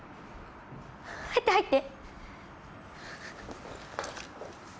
入って入って。